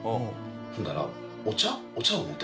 ほんだら。